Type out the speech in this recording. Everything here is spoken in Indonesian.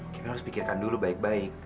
kita harus pikirkan dulu baik baik